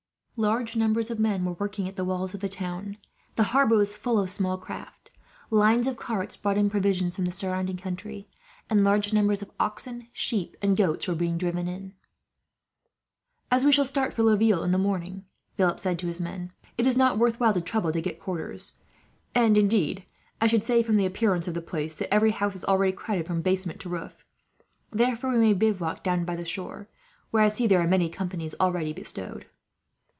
Large numbers of men were working at the walls of the town. The harbour was full of small craft. Lines of carts brought in provisions from the surrounding country, and large numbers of oxen, sheep, and goats were being driven in. "As we shall start for Laville in the morning," Philip said to his men, "it is not worth while to trouble to get quarters; and indeed, I should say, from the appearance of the place, that every house is already crowded from basement to roof. Therefore we will bivouac down by the shore, where I see there are many companies already bestowed."